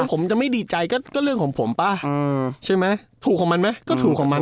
ผมจะไม่ดีใจก็เรื่องของผมป่ะใช่ไหมถูกของมันไหมก็ถูกของมัน